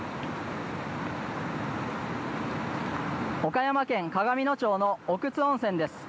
岡山県鏡野町の奥津温泉です。